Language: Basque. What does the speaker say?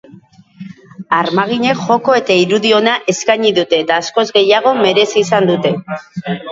Armaginek joko eta irudi ona eskaini dute eta askoz gehiago merezi izan dute.